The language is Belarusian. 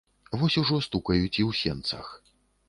Вось ужо стукаюць і ў сенцах.